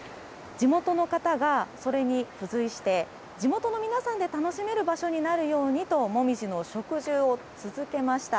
地元の方がそれに付随して地元の皆さんで楽しめる場所になるようにともみじの植樹を続けました。